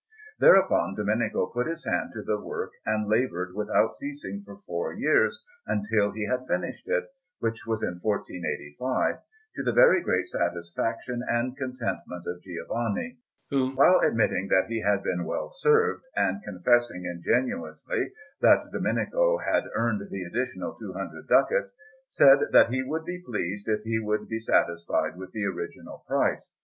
Thereupon Domenico put his hand to the work and laboured without ceasing for four years until he had finished it which was in 1485 to the very great satisfaction and contentment of Giovanni, who, while admitting that he had been well served, and confessing ingenuously that Domenico had earned the additional 200 ducats, said that he would be pleased if he would be satisfied with the original price.